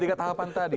di tiga tahapan tadi